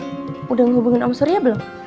sudah menghubungkan sama surya belum